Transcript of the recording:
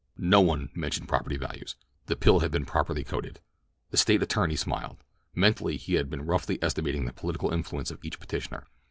No one mentioned property values—the pill had been properly coated. The State attorney smiled. Mentally he had been roughly estimating the political influence of each petitioner.